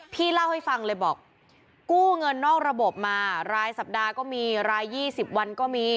พี่เล่าให้ฟังเลยบอกกู้เงินนอกระบบมารายสัปดาห์ก็มีราย๒๐วันก็มี